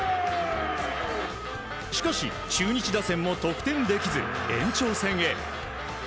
しかし、中日打線も得点できず延長戦へ。